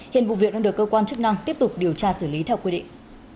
hiện vụ việc đang được cơ quan chức năng tiếp tục điều tra xử lý theo quy định